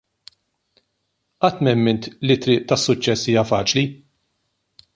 Qatt m'emmint li t-triq tas-suċċess hija faċli.